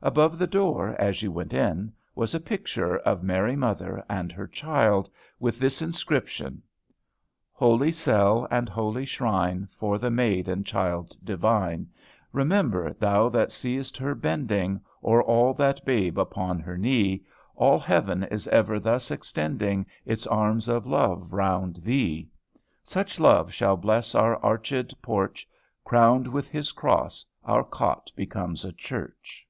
Above the door, as you went in, was a picture of Mary Mother and her Child, with this inscription: "Holy cell and holy shrine, For the Maid and Child divine! Remember, thou that seest her bending O'er that babe upon her knee, All heaven is ever thus extending Its arms of love round thee. Such love shall bless our archèd porch; Crowned with his cross, our cot becomes a church."